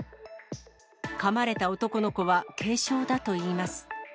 かまれた男の子は軽傷だといいます。